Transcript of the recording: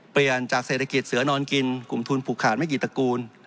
เปลี่ยนจากเศรษฐกิจเสือนอนกินกลุ่มทุนผูกขาดไม่กี่ตระกูล